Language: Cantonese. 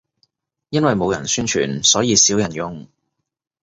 因為冇人宣傳，所以少人用